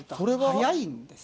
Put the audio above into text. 早いんですね。